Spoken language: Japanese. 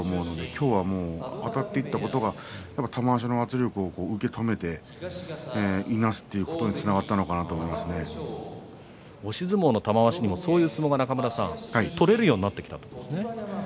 今日はあたっていったことが玉鷲の圧力を受け止めていなすということに押し相撲の玉鷲でもそういう相撲が取れるようになってきたということですね。